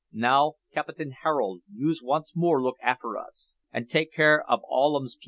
Now, Capitin Harol', yoos once more look afer us, an' take care ob all ums peepil."